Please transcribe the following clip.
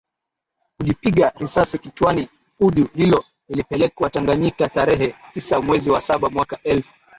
kujipiga risasi kichwaniFuvu hilo lilipelekwa Tanganyika tarehe tisa mwezi wa saba mwaka elfu